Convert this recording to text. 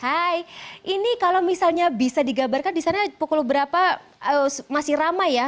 hai ini kalau misalnya bisa digabarkan di sana pukul berapa masih ramai ya